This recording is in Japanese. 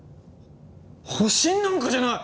保身なんかじゃない！